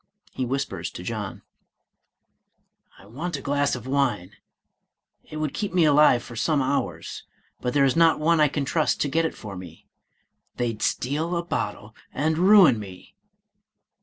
He whispers to John: T WANT a glass of wine, it would keep me alive for some hours, but there is not one I can trust to get it for me, — they'd steal a bottle, and ruin me.